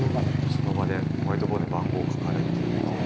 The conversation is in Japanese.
その場でホワイトボードに番号書かれていて。